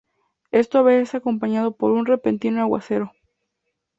Esto a veces es acompañado por un repentino aguacero.